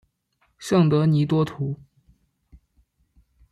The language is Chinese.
圣德尼多图。